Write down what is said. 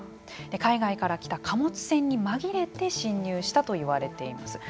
海外から来た貨物船に紛れて侵入したといわれています。